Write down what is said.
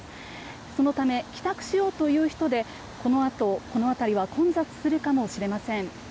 そのため帰宅しようという人でこのあと、この辺りは混雑するかもしれません。